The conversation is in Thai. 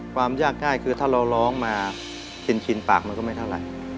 ความยากง่ายคือถ้าเราร้องมาชินปากมันก็ไม่เท่าไหร่